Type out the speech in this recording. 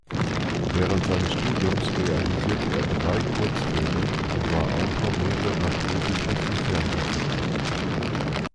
Während seines Studiums realisierte er drei Kurzfilme und war Autor mehrerer Drehbücher für Fernsehfilme.